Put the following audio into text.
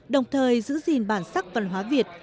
đồng thời giữ gìn bản sắc văn hóa việt